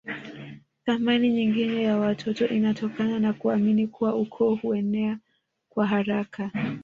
Thamani nyingine ya watoto inatokana na kuamini kuwa ukoo huenea kwa haraka